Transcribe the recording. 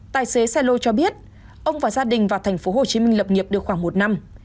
tài xế xe lôi cho biết ông và gia đình vào thành phố hồ chí minh lập nghiệp được khoảng một năm